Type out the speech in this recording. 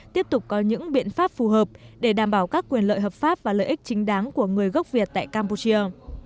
tiếp tục có những biện pháp phù hợp để đảm bảo các quyền lợi hợp pháp và lợi ích chính đáng của người gốc việt tại campuchia